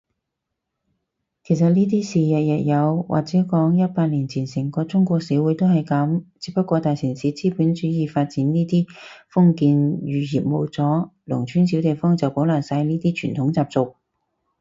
其實呢啲事日日有，或者講，一百年前成個中國社會都係噉，只不過大城市資本主義發展呢啲封建餘孽冇咗，農村小地方就保留晒呢啲傳統習俗